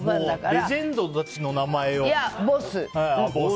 レジェンドたちの名前を。